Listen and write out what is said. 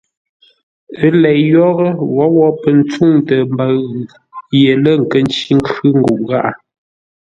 Ə́ lei yórə́, wǒwó pə̂ ntsûŋtə mbəʉ ye lə̂ nkə́ ncí nkhʉ́ nguʼ gháʼá.